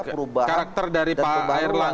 perubahan dan pembaruan